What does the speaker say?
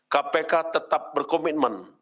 kpk tetap berkomitmen